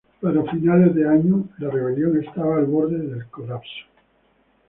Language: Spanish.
Para finales de año, la rebelión estaba al borde del colapso.